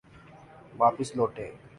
واپس لوٹے۔